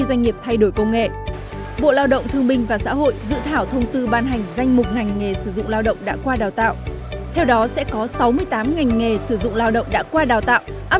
áp dụng từ ngành nghề sử dụng lao động đã qua đào tạo